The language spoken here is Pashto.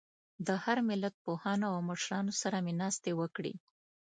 د هر ملت پوهانو او مشرانو سره مې ناستې وکړې.